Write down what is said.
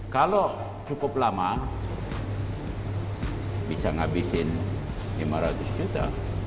kalau cukup lama bisa ngabisin lima ratus juta